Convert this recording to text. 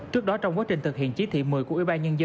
trước đó trong quá trình thực hiện chí thị một mươi của ubnd